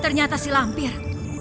ternyata si lampir